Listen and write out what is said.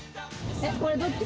これどっち？